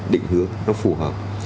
định hướng nó phù hợp